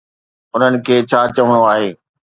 انهن کي ڇا چوڻو آهي؟